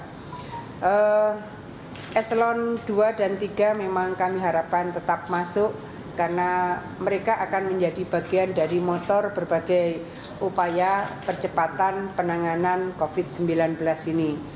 jadi eselon dua dan tiga memang kami harapkan tetap masuk karena mereka akan menjadi bagian dari motor berbagai upaya percepatan penanganan covid sembilan belas ini